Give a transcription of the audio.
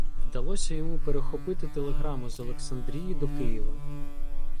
Вдалося йому перехопити телеграму з Олександрії до Києва.